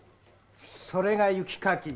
それが雪かき。